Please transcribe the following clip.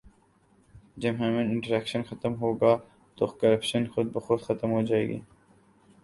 جب human interaction ختم ہوگا تو کرپشن خودبخود ختم ہو جائے گی